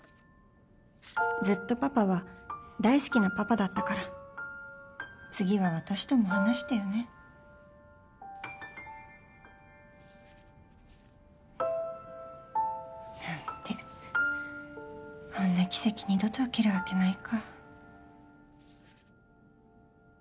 ずっとパパは大好きなパパだったから次は私とも話してよね。なんてこんな奇跡二度と起きるわけないか。